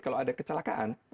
kalau ada kecelakaan